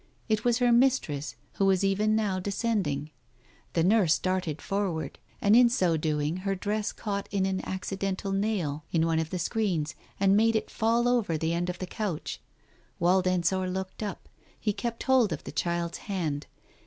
It was her mistress who was even now descending. The nurse darted forward, and in so doing her dress caught in an accidental nail in one of the screens and made it fall over the end of the couch. Wald Ensor looked up, he kept hold of the child's hand.